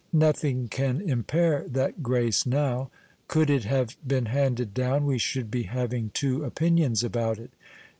Nothing ean impair that graee now ; could it have been handed down, we should be having two opinions about it.